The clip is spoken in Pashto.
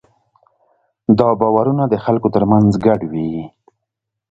دا باورونه د خلکو ترمنځ ګډ وي.